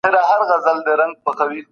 سياستپوهنه موږ ته د واک د وېش لاري راښيي.